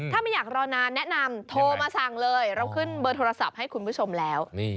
ถ้าไม่อยากรอนานแนะนำโทรมาสั่งเลยเราขึ้นเบอร์โทรศัพท์ให้คุณผู้ชมแล้ว